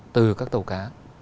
từ các tàu cá